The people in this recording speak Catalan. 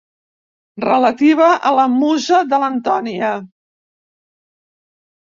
Relativa a la musa de l'Antònia.